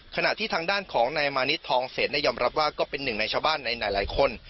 ขณะที่ทางด้านของนายมานิดทองเศษได้ยอมรับว่าก็เป็นหนึ่งในชาวบ้านในหลายคน